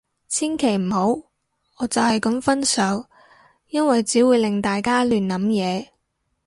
千祈唔好，我就係噉分手。因為只會令大家亂諗嘢